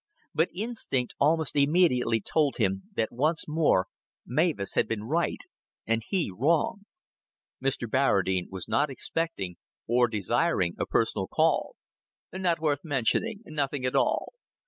But instinct almost immediately told him that once more Mavis had been right and he wrong. Mr. Barradine was not expecting or desiring a personal call. "Not worth mentioning. Nothing at all."